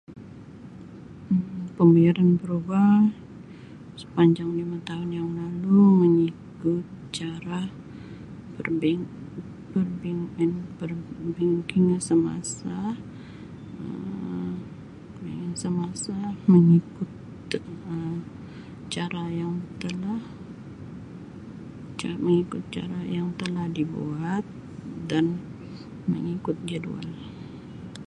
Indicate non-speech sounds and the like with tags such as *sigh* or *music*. Um *unintelligible* berubah sepanjang lima tahun yang lalu mengikut cara perbank-perbankin-perbankan semasa Um perbankan semasa mengikut Um cara yang telah ca-mengikut cara yang telah dibuat dan mengikut jadual